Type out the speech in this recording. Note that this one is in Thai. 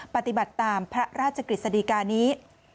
ปฏิบัติตามพระราชกฤษฎีกานี้